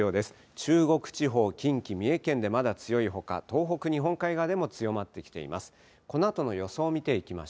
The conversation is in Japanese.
中国地方、近畿、三重県でまだ強いほか東北、日本海側でも強まってきています。